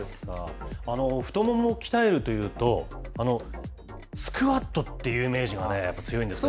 太ももを鍛えるというと、スクワットっていうイメージがやっぱり強いんですけど。